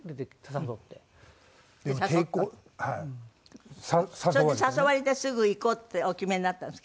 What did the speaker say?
それで誘われてすぐ行こうってお決めになったんですか？